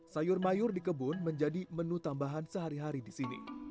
sayur mayur di kebun menjadi menu tambahan sehari hari di sini